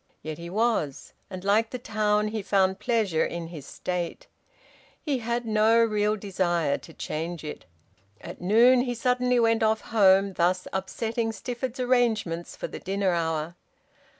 Yet he was; and, like the town, he found pleasure in his state. He had no real desire to change it. At noon he suddenly went off home, thus upsetting Stifford's arrangements for the dinner hour.